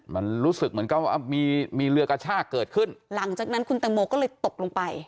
มันรู้สึกเหมือนกับว่ามีมีเรือกระชากเกิดขึ้นหลังจากนั้นคุณตังโมก็เลยตกลงไป